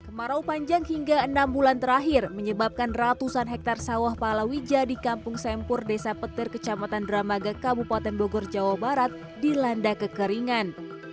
kemarau panjang hingga enam bulan terakhir menyebabkan ratusan hektare sawah palawija di kampung sempur desa petir kecamatan dramaga kabupaten bogor jawa barat dilanda kekeringan